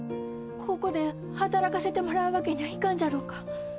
ここで働かせてもらうわけにゃあいかんじゃろうか。